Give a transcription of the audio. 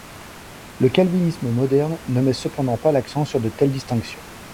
Le calvinisme moderne ne met cependant pas l'accent sur de telles distinctions.